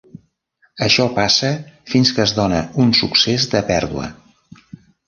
Això passa fins que es dóna un succés de pèrdua.